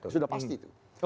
sudah pasti itu